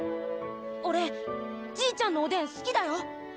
オレじいちゃんのおでんすきだよ！